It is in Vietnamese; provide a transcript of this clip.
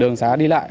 đường xã đi lại